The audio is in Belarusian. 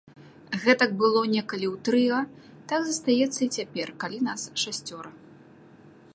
Гэтак было некалі ў трыа, так застаецца і цяпер, калі нас шасцёра.